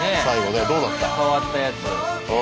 ねっ変わったやつ。